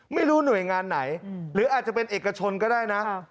ไม่รู้หน่วยงานไหนหรืออาจจะเป็นเอกชนก็ได้นะ